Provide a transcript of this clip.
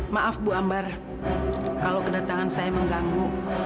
maaf bu ambar kalau kedatangan saya mengganggu